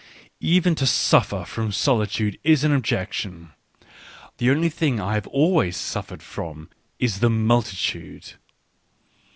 ... Even to suffer from solitude is an objection — the only thing I have always suffered from is " multitude."